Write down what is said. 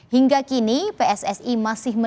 hingga kini pssi masih mencari